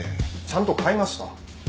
ちゃんと買いました。